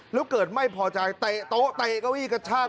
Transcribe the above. แล้วเกิดไม่พอใจเตะโต๊ะเตะเก้าอี้กระชาก